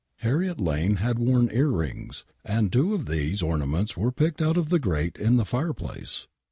Harriet Lane had worn earrings, and two of these ornaments were picked out of the grate in the fire place.